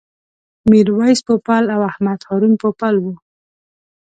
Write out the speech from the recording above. میرویس پوپل او محمد هارون پوپل و.